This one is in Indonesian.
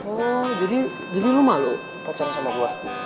oh jadi jadi lo malu pacaran sama gua